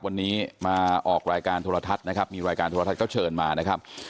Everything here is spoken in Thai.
วันนี้มาออกรายการโทรทัศน์นะครับมีรายการโทรทัศน์ก็เชิญมานะครับ